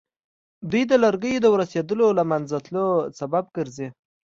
دوی د لرګیو د ورستېدلو او له منځه تلو سبب ګرځي.